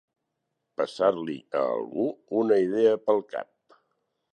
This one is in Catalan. Passar-li, a algú, una idea pel cap.